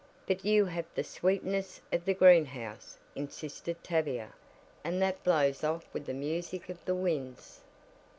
"But you have the sweetness of the greenhouse," insisted Tavia, "and that blows off with the music of the winds."